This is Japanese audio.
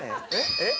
「えっ？」